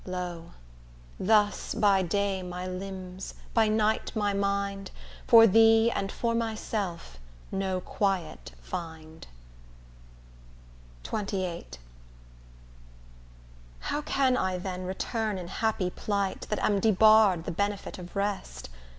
Lo! thus, by day my limbs, by night my mind, For thee, and for myself, no quiet find. XXVIII How can I then return in happy plight, That am debarre'd the benefit of rest?